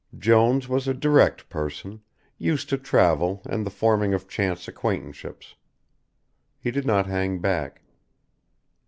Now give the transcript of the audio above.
Jones was a direct person, used to travel and the forming of chance acquaintanceships. He did not hang back.